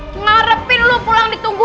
mengharapkan kamu pulang ditunggu